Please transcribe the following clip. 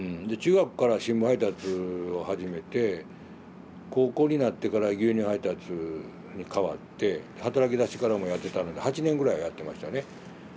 で中学から新聞配達を始めて高校になってから牛乳配達に変わって働きだしてからもやってたので８年ぐらいやってましたね。